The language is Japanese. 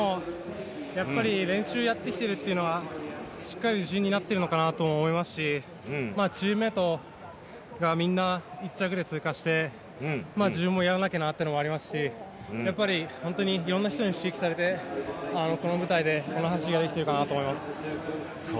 やっぱり練習をやってきてるっていうのはしっかり自信になってるのかなと思いますし、チームメイトがみんな１着で通過して自分もやらなきゃなっていうのもありますし、本当にいろんな人に刺激されてこの舞台でこの走りができてるのかなと思います。